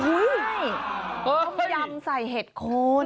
ต้มยำใส่เห็ดโคน